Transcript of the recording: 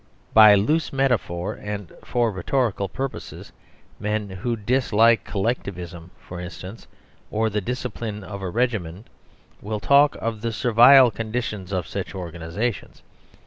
By loose metaphor and for rhetorical purposes men who dislike Collectivism (for instance) or the discipline of a regiment will talk of the " servile " conditions of such organisations.